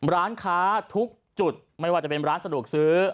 ร้านค้าทุกจุดไม่ว่าจะเป็นร้านสะดวกซื้อ